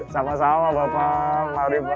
sama sama bapak maaf ya pak